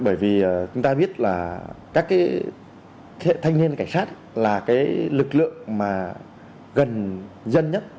bởi vì chúng ta biết là các cái thanh niên cảnh sát là cái lực lượng mà gần dân nhất